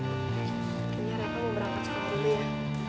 kayaknya rafa mau berangkat sekolah dulu ya